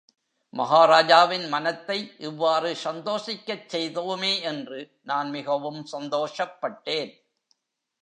மஹாராஜாவின் மனத்தை இவ்வாறு சந்தோஷிக்கச் செய்தோமே என்று நான் மிகவும் சந்தோஷப் பட்டேன்.